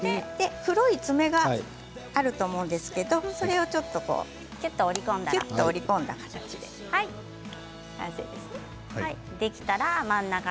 黒い爪があると思うんですけどそれをきゅっと折り込んだら完成ですね。